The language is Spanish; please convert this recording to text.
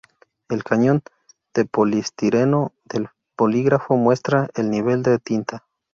El cañón de poliestireno del bolígrafo muestra el nivel de tinta.